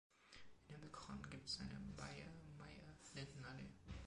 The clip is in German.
In Himmelkron gibt es eine Baille-Maille-Lindenallee.